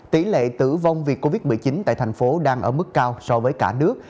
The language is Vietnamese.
tỷ lệ tử vong vì covid một mươi chín tại thành phố đang ở mức cao so với cả nước